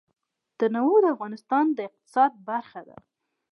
تنوع د افغانستان د اقتصاد برخه ده.